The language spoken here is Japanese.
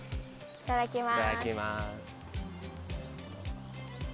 いただきます。